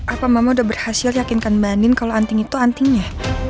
apa mama udah berhasil yakinkan mbak nin kalau anting itu antinya